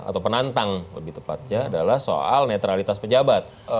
atau penantang lebih tepatnya adalah soal netralitas pejabat